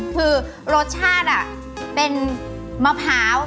คือรสชาติเป็นมะพร้าว